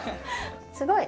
すごい。